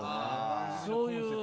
そういう。